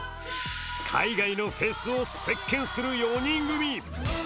海外のフェスを席巻する４人組。